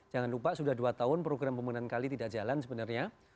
jangan lupa sudah dua tahun program pembangunan kali tidak jalan sebenarnya